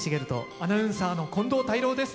アナウンサーの近藤泰郎です。